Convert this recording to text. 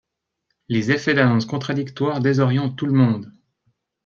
Les effets d’annonces contradictoires désorientent tout le monde.